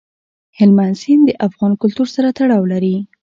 هلمند سیند د افغان کلتور سره تړاو لري.